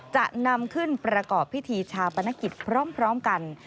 จะนำขึ้นประกอบพิธีชาปนกิจพร้อมกัน